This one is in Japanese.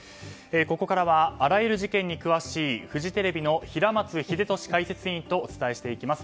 ここからはあらゆる事件に詳しいフジテレビの平松秀敏解説委員とお伝えしていきます。